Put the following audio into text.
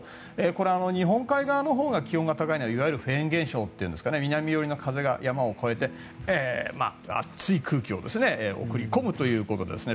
これは日本海側のほうが気温が高いのはいわゆるフェーン現象で南側の風が山を越えて、熱い空気を送り込むということですね。